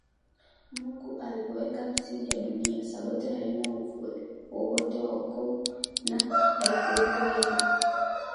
Mungu alipoweka misingi ya dunia Sabato haina uvuli wowote wa wokovu na haikuumbwa ili